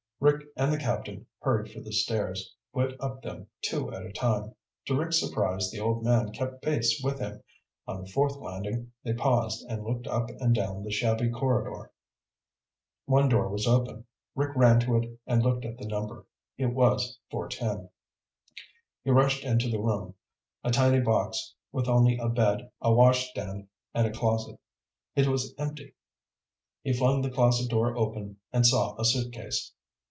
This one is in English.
Rick and the Captain hurried for the stairs, went up them two at a time. To Rick's surprise the old man kept pace with him. On the fourth landing they paused and looked up and down the shabby corridor. One door was open. Rick ran to it and looked at the number. It was 410. He rushed into the room, a tiny box with only a bed, a washstand and a closet. It was empty. He flung the closet door open and saw a suitcase.